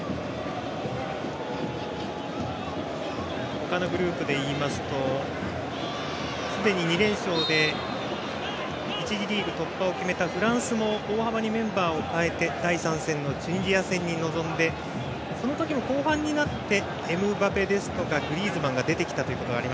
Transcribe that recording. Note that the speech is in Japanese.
他のグループでいいますとすでに２連勝で１次リーグ突破を決めたフランスも大幅にメンバーを変えて第３戦のチュニジア戦に臨んでその時の後半になってエムバペですとかグリーズマンが出てきました。